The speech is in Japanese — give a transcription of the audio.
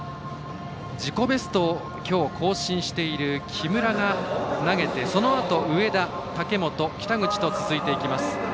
自己ベストをきょう更新している木村が投げてそのあと、上田、武本、北口と続いていきます。